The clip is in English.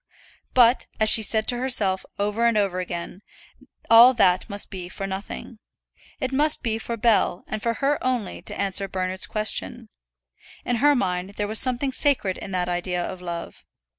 But, as she said to herself over and over again, all that must go for nothing. It must be for Bell, and for her only, to answer Bernard's question. In her mind there was something sacred in that idea of love.